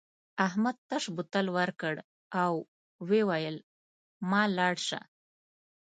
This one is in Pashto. احمد تش بوتل ورکړ او وویل مه لاړ شه.